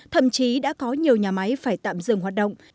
thậm chí đã có nhiều nhà máy phải tạm dừng hoạt động